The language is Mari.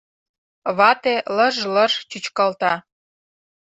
Вате лыж-лыж чӱчкалта.